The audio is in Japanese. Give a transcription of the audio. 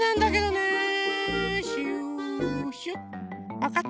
わかった？